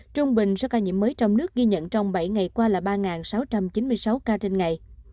trung bình số ca nhiễm mới trong nước ghi nhận trong bảy ngày qua là ba sáu trăm chín mươi sáu ca trên ngày